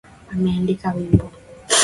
Ameandika wimbo